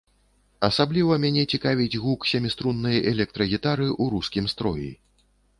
Асабліва мяне цікавіць гук сяміструннай электрагітары ў рускім строі.